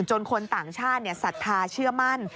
จนคนต่างชาติเนี่ยสัทธาเชื่อมั่น